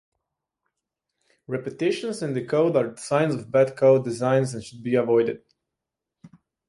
Repetitions in the code are signs of bad code designs and should be avoided.